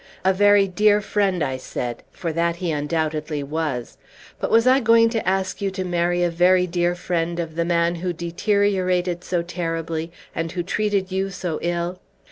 "A very dear friend, I said, for that he undoubtedly was; but was I going to ask you to marry a very dear friend of the man who deteriorated so terribly, and who treated you so ill?"